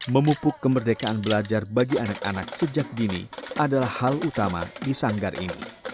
memupuk kemerdekaan belajar bagi anak anak sejak dini adalah hal utama di sanggar ini